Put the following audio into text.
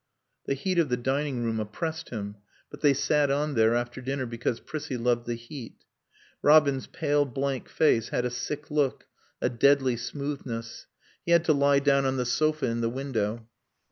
The heat of the dining room oppressed him, but they sat on there after dinner because Prissie loved the heat. Robin's pale, blank face had a sick look, a deadly smoothness. He had to lie down on the sofa in the window.